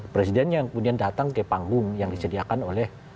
presiden yang kemudian datang ke panggung yang disediakan oleh